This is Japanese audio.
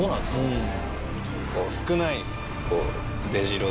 うん。